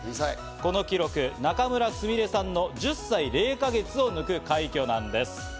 この記録、仲邑菫さんの１０歳０か月を抜く快挙なんです。